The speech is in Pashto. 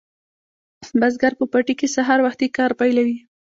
بزګر په پټي کې سهار وختي کار پیلوي.